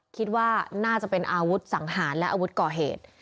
คิดว่าน่าจะเป็นอาวุธสังหารและอาวุธก่อเหตุ